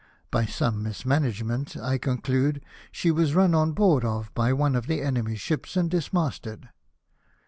By some mis management, I conclude, she was run on board of by one of the enemy's ships, and dismasted.